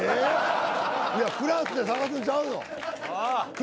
いやクラスで探すんちゃうの？